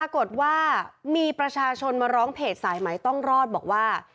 ปรากฏว่ามีประชาชนมาร้องเพจสายไหมต้องรอดบอกว่า